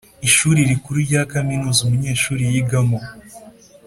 Ishuri Rikuru rya Kaminuza umunyeshuri yigamo